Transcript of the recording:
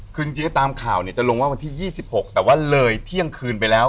คือจริงตามข่าวเนี่ยจะลงว่าวันที่๒๖แต่ว่าเลยเที่ยงคืนไปแล้ว